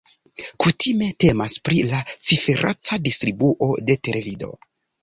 Kutime temas pri la cifereca distribuo de televido.